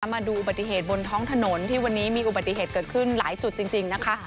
มาดูอุบัติเหตุบนท้องถนนที่วันนี้มีอุบัติเหตุเกิดขึ้นหลายจุดจริงนะคะ